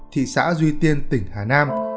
thị xã duy tiên tỉnh hà nam